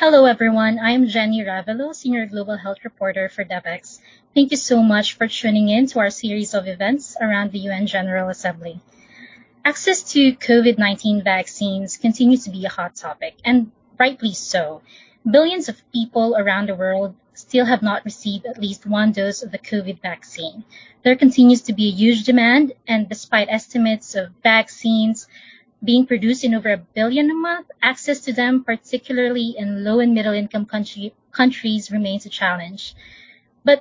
Hello, everyone. I'm Jenny Lei Ravelo, senior global health reporter for Devex. Thank you so much for tuning in to our series of events around the United Nations General Assembly. Access to COVID-19 vaccines continues to be a hot topic, rightly so. Billions of people around the world still have not received at least 1 dose of the COVID vaccine. There continues to be a huge demand, despite estimates of vaccines being produced in over 1 billion a month, access to them, particularly in low and middle-income countries, remains a challenge.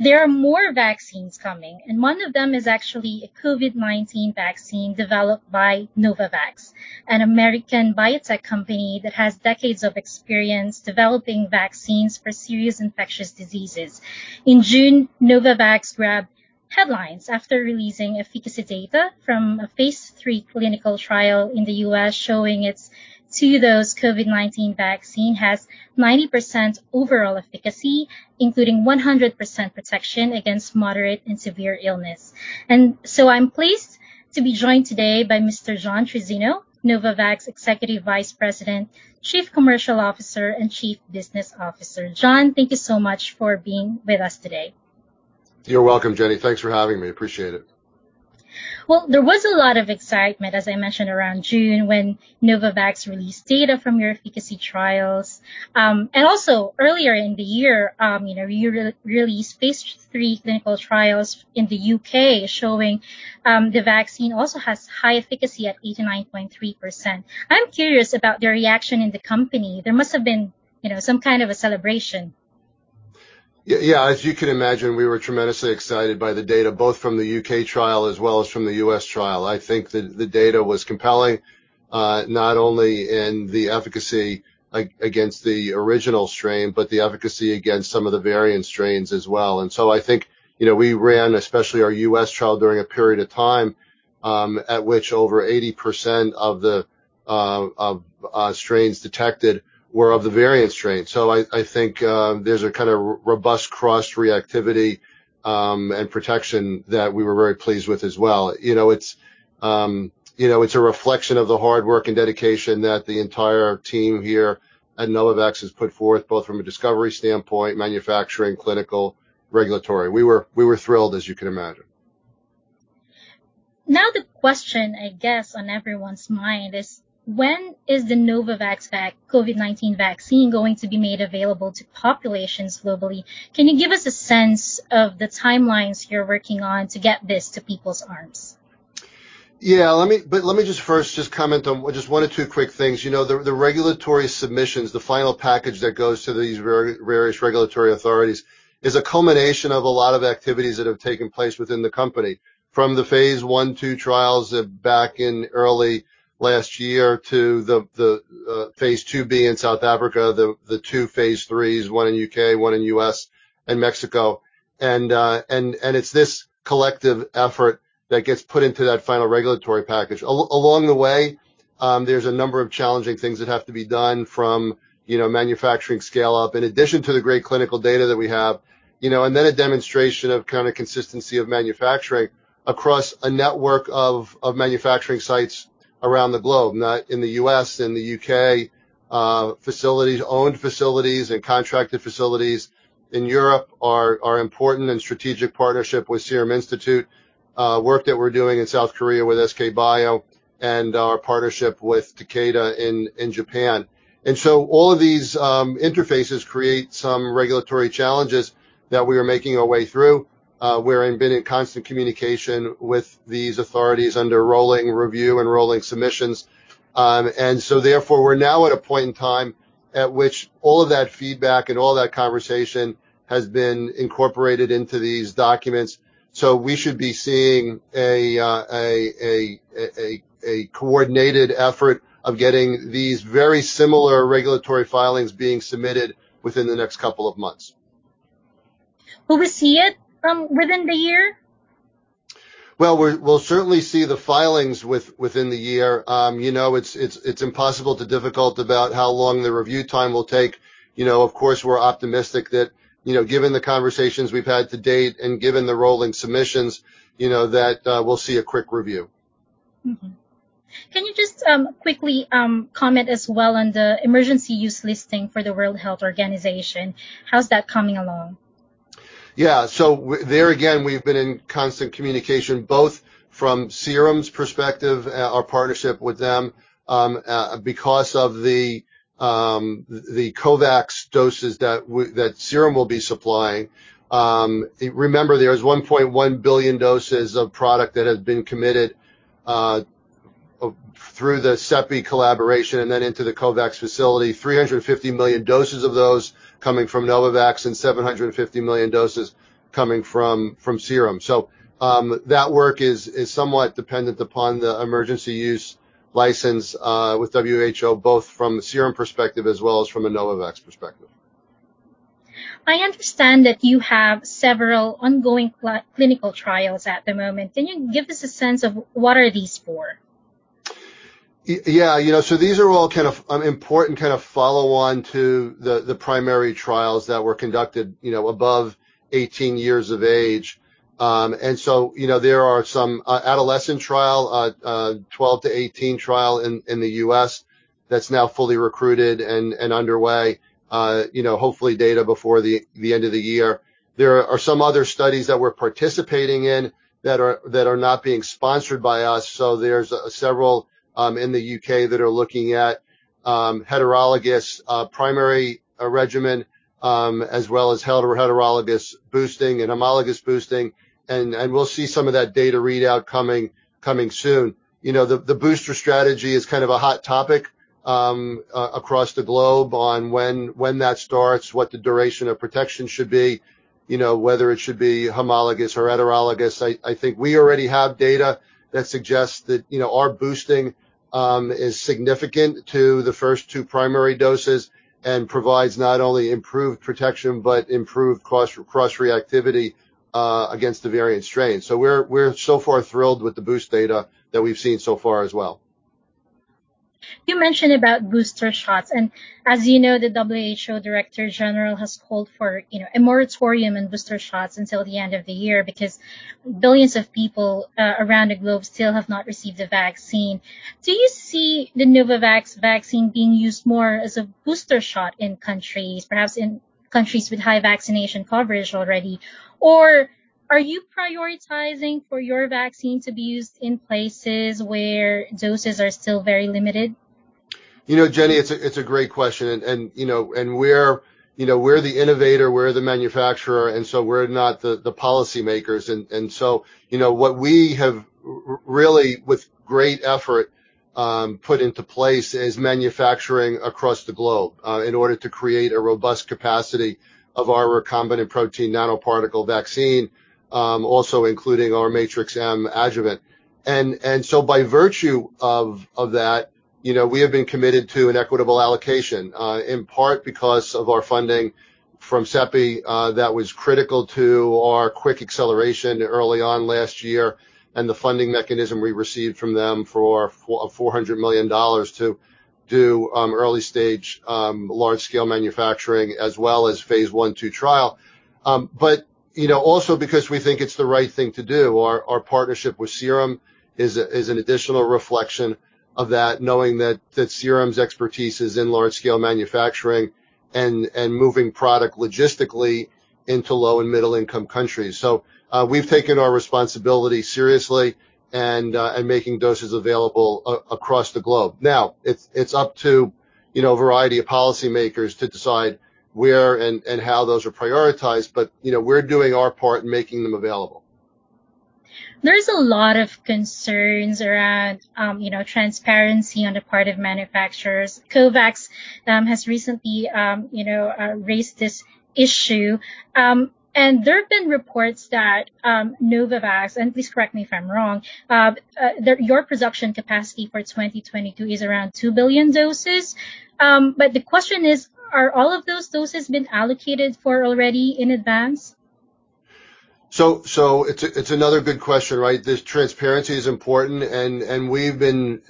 There are more vaccines coming, and one of them is actually a COVID-19 vaccine developed by Novavax, a U.S. biotech company that has decades of experience developing vaccines for serious infectious diseases. In June, Novavax grabbed headlines after releasing efficacy data from a phase III clinical trial in the U.S. showing its 2-dose COVID-19 vaccine has 90% overall efficacy, including 100% protection against moderate and severe illness. I'm pleased to be joined today by Mr. John Trizzino, Novavax Executive Vice President, Chief Commercial Officer, and Chief Business Officer. John, thank you so much for being with us today. You're welcome, Jenny. Thanks for having me. Appreciate it. Well, there was a lot of excitement, as I mentioned, around June when Novavax released data from your efficacy trials. Also earlier in the year, you released phase III clinical trials in the U.K. showing the vaccine also has high efficacy at 89.3%. I'm curious about the reaction in the company. There must have been some kind of a celebration. As you can imagine, we were tremendously excited by the data, both from the U.K. trial as well as from the U.S. trial. I think that the data was compelling, not only in the efficacy against the original strain, but the efficacy against some of the variant strains as well. I think we ran, especially our U.S. trial, during a period of time, at which over 80% of strains detected were of the variant strain. I think there's a kind of robust cross-reactivity and protection that we were very pleased with as well. It's a reflection of the hard work and dedication that the entire team here at Novavax has put forth, both from a discovery standpoint, manufacturing, clinical, regulatory. We were thrilled, as you can imagine. The question, I guess, on everyone's mind is when is the Novavax COVID-19 vaccine going to be made available to populations globally? Can you give us a sense of the timelines you're working on to get this to people's arms? Let me just first just comment on just 1 or 2 quick things. The regulatory submissions, the final package that goes to these various regulatory authorities, is a culmination of a lot of activities that have taken place within the company. From the phase I, II trials back in early last year to the phase II-B in South Africa, the 2 phase III, 1 in U.K., 1 in U.S., and Mexico, and it's this collective effort that gets put into that final regulatory package. Along the way, there's a number of challenging things that have to be done from manufacturing scale-up, in addition to the great clinical data that we have. A demonstration of kind of consistency of manufacturing across a network of manufacturing sites around the globe, in the U.S., in the U.K. Owned facilities and contracted facilities in Europe, our important and strategic partnership with Serum Institute, work that we're doing in South Korea with SK Bioscience and our partnership with Takeda in Japan. All of these interfaces create some regulatory challenges that we are making our way through. We're in constant communication with these authorities under rolling review and rolling submissions. We're now at a point in time at which all of that feedback and all that conversation has been incorporated into these documents. We should be seeing a coordinated effort of getting these very similar regulatory filings being submitted within the next couple of months. Will we see it within the year? Well, we'll certainly see the filings within the year. It's impossible to difficult about how long the review time will take. Of course, we're optimistic that given the conversations we've had to date and given the rolling submissions, that we'll see a quick review. Mm-hmm. Can you just quickly comment as well on the Emergency Use Listing for the World Health Organization? How's that coming along? Yeah. There again, we've been in constant communication, both from Serum's perspective, our partnership with them, because of the COVAX doses that Serum will be supplying. Remember, there was 1.1 billion doses of product that have been committed through the CEPI collaboration and then into the COVAX facility, 350 million doses of those coming from Novavax and 750 million doses coming from Serum. That work is somewhat dependent upon the Emergency Use Listing with WHO, both from the Serum perspective as well as from a Novavax perspective. I understand that you have several ongoing clinical trials at the moment. Can you give us a sense of what are these for? These are all kind of an important follow-on to the primary trials that were conducted above 18 years of age. There are some adolescent trial, 12-18 trial in the U.S. that's now fully recruited and underway. Hopefully data before the end of the year. There are some other studies that we're participating in that are not being sponsored by us. There's several in the U.K. that are looking at heterologous primary regimen, as well as heterologous boosting and homologous boosting, and we'll see some of that data readout coming soon. The booster strategy is kind of a hot topic across the globe on when that starts, what the duration of protection should be, whether it should be homologous or heterologous. I think we already have data that suggests that our boosting is significant to the first 2 primary doses and provides not only improved protection but improved cross-reactivity against the variant strains. We're so far thrilled with the boost data that we've seen so far as well. You mentioned about booster shots, and as you know, the WHO Director-General has called for a moratorium on booster shots until the end of the year because billions of people around the globe still have not received the vaccine. Do you see the Novavax vaccine being used more as a booster shot in countries, perhaps in countries with high vaccination coverage already? Are you prioritizing for your vaccine to be used in places where doses are still very limited? Jenny, it's a great question. We're the innovator, we're the manufacturer, so we're not the policymakers. What we have really, with great effort, put into place is manufacturing across the globe in order to create a robust capacity of our recombinant protein nanoparticle vaccine, also including our Matrix-M adjuvant. By virtue of that, we have been committed to an equitable allocation, in part because of our funding from CEPI that was critical to our quick acceleration early on last year and the funding mechanism we received from them for $400 million to do early-stage large-scale manufacturing, as well as phase I, II trial. Also because we think it's the right thing to do. Our partnership with Serum is an additional reflection of that, knowing that Serum's expertise is in large-scale manufacturing and moving product logistically into low and middle-income countries. We've taken our responsibility seriously and making doses available across the globe. It's up to a variety of policymakers to decide where and how those are prioritized, but we're doing our part in making them available. There's a lot of concerns around transparency on the part of manufacturers. COVAX has recently raised this issue. There have been reports that Novavax, and please correct me if I'm wrong, your production capacity for 2022 is around 2 billion doses. The question is, are all of those doses been allocated for already in advance? It's another good question, right? This transparency is important. We've been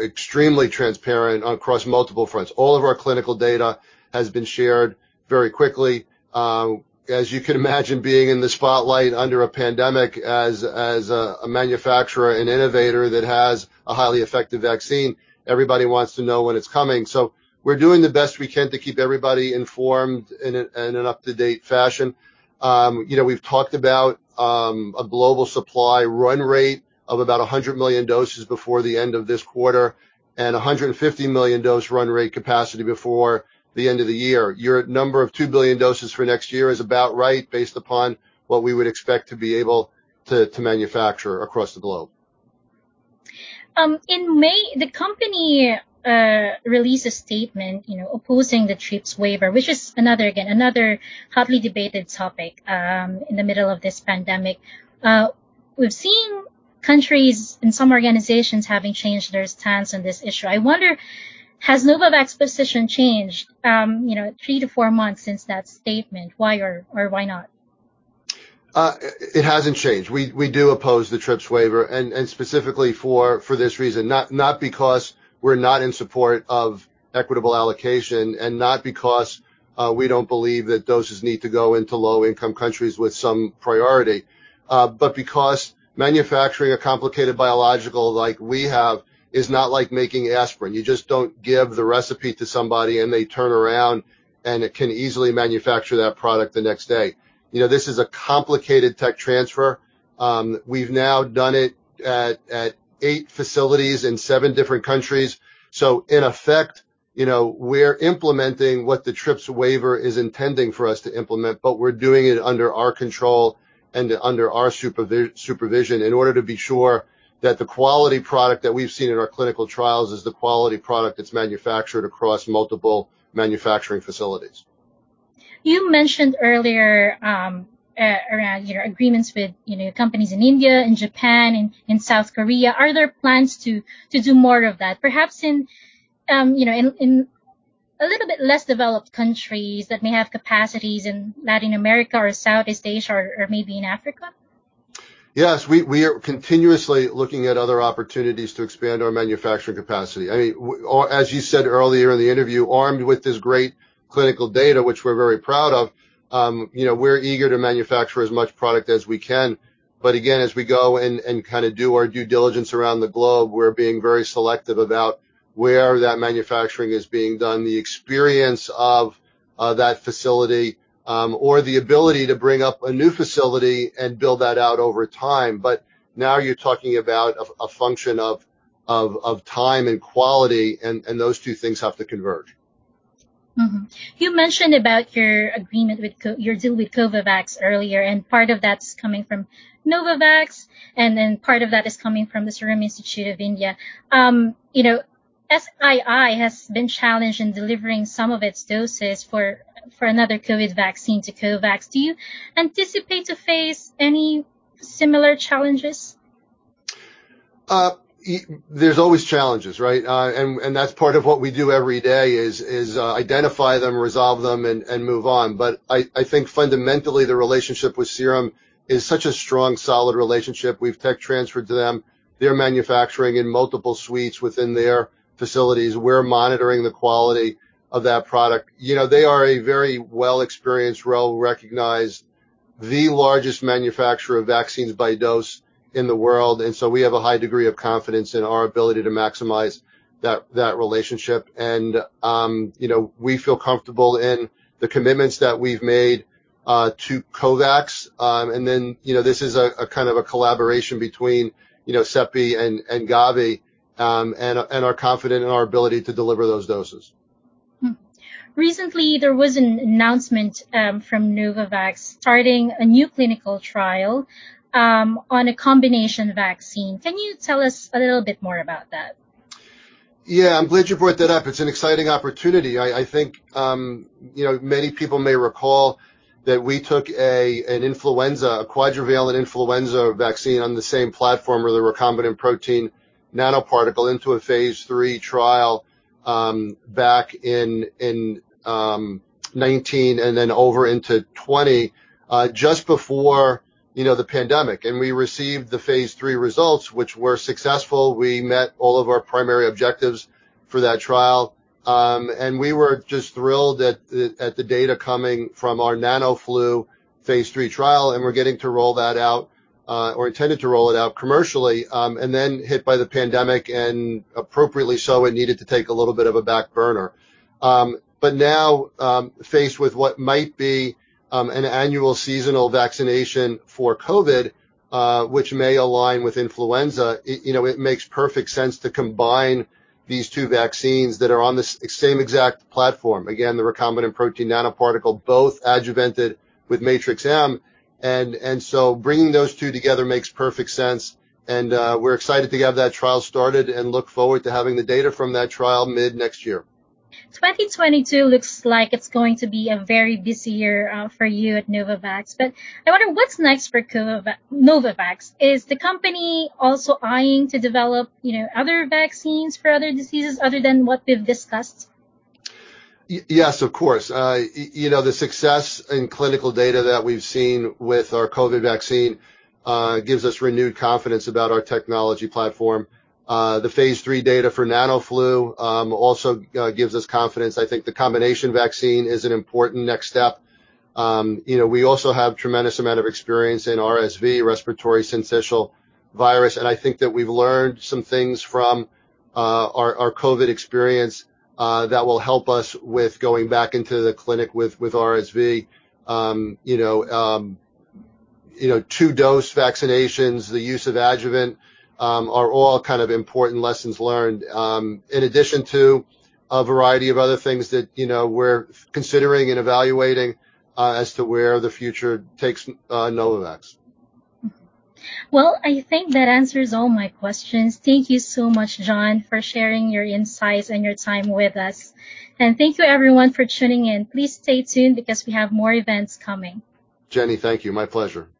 extremely transparent across multiple fronts. All of our clinical data has been shared very quickly. As you can imagine, being in the spotlight under a pandemic as a manufacturer and innovator that has a highly effective vaccine, everybody wants to know when it's coming. We're doing the best we can to keep everybody informed in an up-to-date fashion. We've talked about a global supply run rate of about 100 million doses before the end of this quarter and 150 million dose run rate capacity before the end of the year. Your number of 2 billion doses for next year is about right based upon what we would expect to be able to manufacture across the globe. In May, the company released a statement opposing the TRIPS waiver, which is, again, another hotly debated topic in the middle of this pandemic. We've seen countries and some organizations having changed their stance on this issue. I wonder, has Novavax position changed 3 to 4 months since that statement? Why or why not? It hasn't changed. We do oppose the TRIPS waiver and specifically for this reason. Not because we're not in support of equitable allocation and not because we don't believe that doses need to go into low-income countries with some priority. Because manufacturing a complicated biological like we have is not like making aspirin. You just don't give the recipe to somebody, and they turn around, and it can easily manufacture that product the next day. This is a complicated tech transfer. We've now done it at 8 facilities in 7 different countries. In effect, we're implementing what the TRIPS waiver is intending for us to implement, but we're doing it under our control and under our supervision in order to be sure that the quality product that we've seen in our clinical trials is the quality product that's manufactured across multiple manufacturing facilities. You mentioned earlier around your agreements with companies in India and Japan and South Korea. Are there plans to do more of that? Perhaps in a little bit less developed countries that may have capacities in Latin America or Southeast Asia or maybe in Africa? Yes, we are continuously looking at other opportunities to expand our manufacturing capacity. As you said earlier in the interview, armed with this great clinical data, which we're very proud of, we're eager to manufacture as much product as we can. Again, as we go and do our due diligence around the globe, we're being very selective about where that manufacturing is being done, the experience of that facility, or the ability to bring up a new facility and build that out over time. Now you're talking about a function of time and quality, and those two things have to converge. Mm-hmm. You mentioned about your deal with COVAX earlier, and part of that's coming from Novavax, and then part of that is coming from the Serum Institute of India. SII has been challenged in delivering some of its doses for another COVID-19 vaccine to COVAX. Do you anticipate to face any similar challenges? There's always challenges, right? That's part of what we do every day is identify them, resolve them, and move on. I think fundamentally, the relationship with Serum is such a strong, solid relationship. We've tech transferred to them. They're manufacturing in multiple suites within their facilities. We're monitoring the quality of that product. They are a very well experienced, well-recognized, the largest manufacturer of vaccines by dose in the world, and so we have a high degree of confidence in our ability to maximize that relationship. We feel comfortable in the commitments that we've made to COVAX. This is a kind of a collaboration between CEPI and Gavi, and are confident in our ability to deliver those doses. Recently, there was an announcement from Novavax starting a new clinical trial on a combination vaccine. Can you tell us a little bit more about that? Yeah, I'm glad you brought that up. It's an exciting opportunity. I think many people may recall that we took an influenza, a quadrivalent influenza vaccine on the same platform or the recombinant protein nanoparticle into a phase III trial back in 2019 and then over into 2020, just before the pandemic. We received the phase III results, which were successful. We met all of our primary objectives for that trial. We were just thrilled at the data coming from our NanoFlu phase III trial, and were getting to roll that out, or intended to roll it out commercially, and then hit by the pandemic, and appropriately so, it needed to take a little bit of a back burner. Now, faced with what might be an annual seasonal vaccination for COVID, which may align with influenza, it makes perfect sense to combine these two vaccines that are on the same exact platform. Again, the recombinant protein nanoparticle, both adjuvanted with Matrix-M. Bringing those two together makes perfect sense, and we're excited to have that trial started and look forward to having the data from that trial mid-next year. 2022 looks like it's going to be a very busy year for you at Novavax. I wonder what's next for Novavax. Is the company also eyeing to develop other vaccines for other diseases other than what we've discussed? Yes, of course. The success in clinical data that we've seen with our COVID vaccine gives us renewed confidence about our technology platform. The phase III data for NanoFlu also gives us confidence. I think the combination vaccine is an important next step. We also have tremendous amount of experience in RSV, respiratory syncytial virus, and I think that we've learned some things from our COVID experience that will help us with going back into the clinic with RSV. Two-dose vaccinations, the use of adjuvant, are all kind of important lessons learned, in addition to a variety of other things that we're considering and evaluating as to where the future takes Novavax. Well, I think that answers all my questions. Thank you so much, John, for sharing your insights and your time with us. Thank you everyone for tuning in. Please stay tuned because we have more events coming. Jenny, thank you. My pleasure.